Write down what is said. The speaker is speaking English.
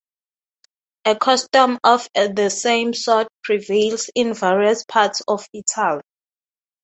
A custom of the same sort prevails in various parts of Italy.